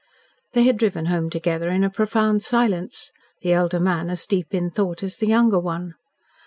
They had driven home together in a profound silence, the elder man as deep in thought as the younger one.